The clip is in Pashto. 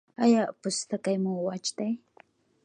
ایا پوستکی مو وچ دی؟